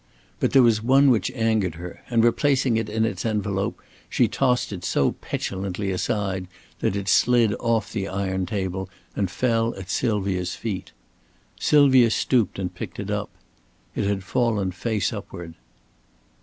But there was one which angered her, and replacing it in its envelope, she tossed it so petulantly aside that it slid off the iron table and fell at Sylvia's feet. Sylvia stooped and picked it up. It had fallen face upward.